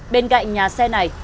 bên cạnh nhà xe này